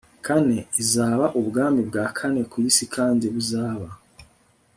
kane izaba ubwami bwa kane ku isi kandi buzaba